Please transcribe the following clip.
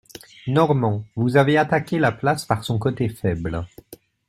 Normand, vous avez attaqué la place par son côté faible.